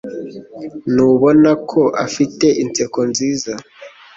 Ntubona ko afite inseko nziza?